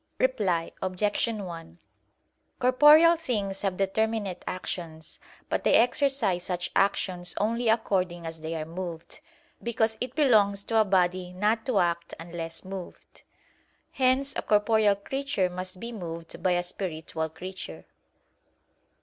Reply Obj. 1: Corporeal things have determinate actions; but they exercise such actions only according as they are moved; because it belongs to a body not to act unless moved. Hence a corporeal creature must be moved by a spiritual creature.